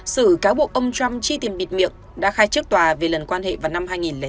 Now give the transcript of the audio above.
sự cáo buộc ông trump chi tiền bịt miệng đã khai trước tòa về lần quan hệ vào năm hai nghìn sáu